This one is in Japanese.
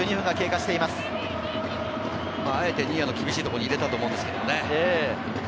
あえてニアの厳しいところに入れたと思うんですけどね。